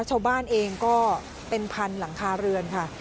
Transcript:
ชาวบ้านเองก็เป็นพันหลังคาเรือนค่ะ